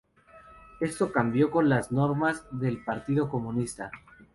Esto cambió con las normas del Partido Comunista.